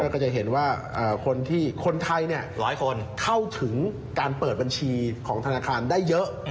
ก็จะเห็นว่าคนไทยเข้าถึงการเปิดบัญชีของธนาคารได้เยอะ